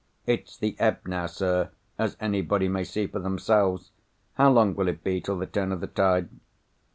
_ It's the ebb now, sir, as anybody may see for themselves. How long will it be till the turn of the tide?"